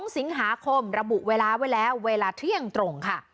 ๒สิงหาคมระบุเวลาไว้แล้วเวลาเที่ยงตรงค่ะ